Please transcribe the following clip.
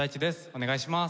お願いします。